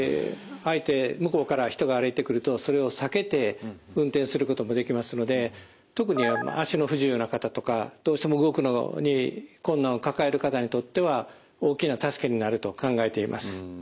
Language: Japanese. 向こうから人が歩いてくるとそれを避けて運転することもできますので特に足の不自由な方とかどうしても動くのに困難を抱える方にとっては大きな助けになると考えています。